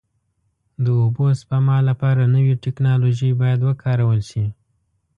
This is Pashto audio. د اوبو سپما لپاره نوې ټکنالوژۍ باید وکارول شي.